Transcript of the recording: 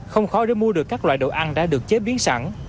không khó để mua được các loại đồ ăn đã được chế biến sẵn